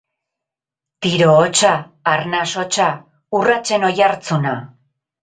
Tiro hotsa, arnas hotsa, urratsen oihartzuna.